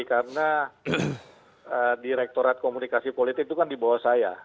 karena direkturat komunikasi politik itu kan di bawah saya